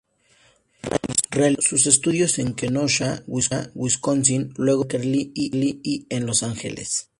Realizó sus estudios en Kenosha, Wisconsin, luego en Berkeley y en Los Ángeles.